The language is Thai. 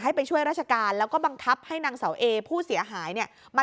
ไปช่วยราชการแล้วก็บังคับให้นางเสาเอผู้เสียหายเนี่ยมา